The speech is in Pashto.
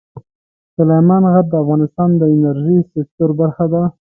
سلیمان غر د افغانستان د انرژۍ سکتور برخه ده.